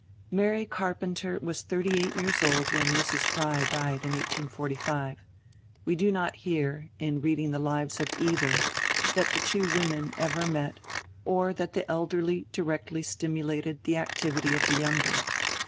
MARY CARPENTER was thirty eight years old when Mrs. Fry died in 1845. We do not hear, in reading the lives of either, that the two women ever met, or that the elder directly stimulated the activity of the younger.